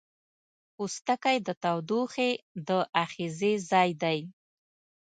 پوستکی د تودوخې د آخذې ځای دی.